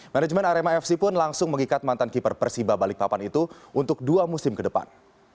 manajemen arema fc pun langsung mengikat mantan keeper persiba balikpapan itu untuk dua musim ke depan